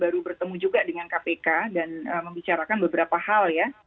baru bertemu juga dengan kpk dan membicarakan beberapa hal ya